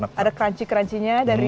enak banget ya